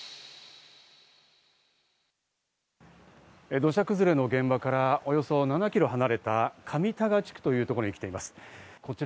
土砂崩れの現場からおよそ７ｋｍ離れた上多賀地区というところに来ています。